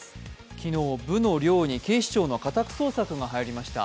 昨日、部の寮に警視庁の家宅捜索が入りました。